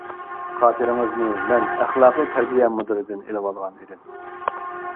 خاتىرىڭىزنى مەن ئەخلاقى تەربىيە مۇدىرىدىن ئېلىۋالغان ئىدىم.